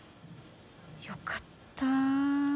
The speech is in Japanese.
よかった。